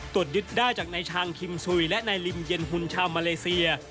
ตรวจยึดได้จากนายชางคิมซุยและนายลิมเย็นหุ่นชาวมาเลเซีย